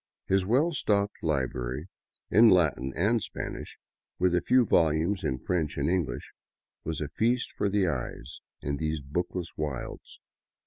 His well stocked library, in Latin and Spanish, with a few volumes in French and English, was a feast for the eyes in these bookless wilds.